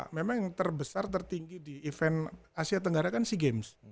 memang yang terbesar tertinggi di event asia tenggara kan sea games